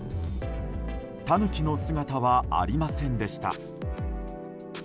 タヌキの姿はありませんでした。